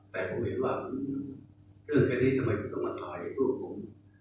แต่ผมเห็นว่าเรื่องแบบนี้ทำไมต้องมาถ่ายให้ลูกผม